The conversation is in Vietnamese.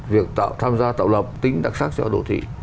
việc tạo tham gia tạo lập tính đặc sắc cho đô thị